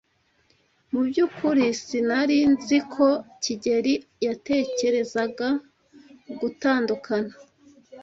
Mu byukuri sinari nzi ko kigeli yatekerezaga gutandukana.